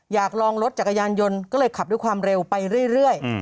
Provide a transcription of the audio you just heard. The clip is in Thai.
อยากลองรถจักรยานยนต์ก็เลยขับด้วยความเร็วไปเรื่อย